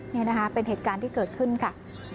นี่นะคะเป็นเหตุการณ์ที่เกิดขึ้นค่ะ